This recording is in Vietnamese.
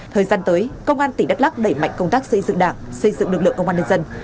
thời gian tới công an tỉnh đắk lắc đẩy mạnh công tác xây dựng đảng xây dựng lực lượng công an nhân dân